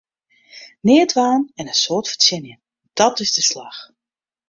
Neat dwaan en in soad fertsjinje, dàt is de slach!